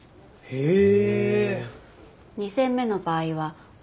へえ。